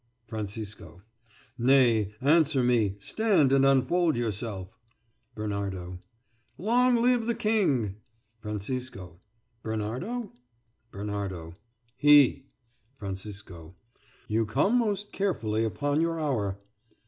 Francisco: Nay, answer me: stand, and unfold yourself. Bernardo: Long live the king! Francisco: Bernardo? Bernardo: He. Francisco: You come most carefully upon your hour.